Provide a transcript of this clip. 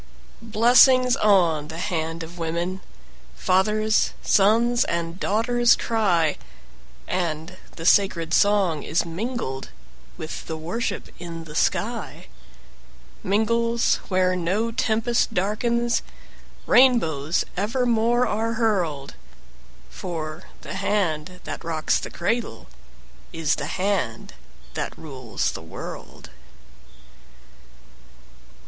Blessings on the hand of women! Fathers, sons, and daughters cry, And the sacred song is mingled With the worship in the sky Mingles where no tempest darkens, Rainbows evermore are hurled; For the hand that rocks the cradle Is the hand that rules the world.